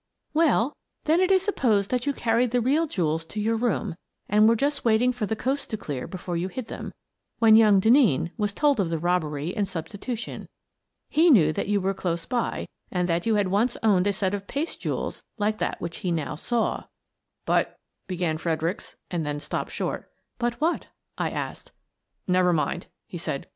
Well, then it is supposed that you carried the real jewels to your room, and were just waiting for the coast to clear before you hid them, when young Denneen was told of the robbery and substitution. He knew that you were close by and that you had once owned a set of paste jewels like that which he now saw —" "But —" began Fredericks, and then stopped short. "But what?" I asked. " Never mind," he said.